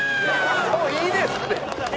もういいですって。